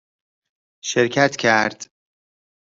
شرکت کرد